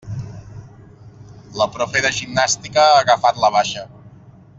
La profe de gimnàstica ha agafat la baixa.